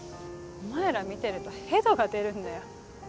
お前ら見てるとヘドが出るんだよ。